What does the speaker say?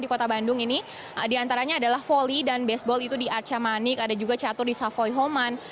di kota bandung ini diantaranya adalah volley dan baseball itu di arca manik ada juga catur di savoy homan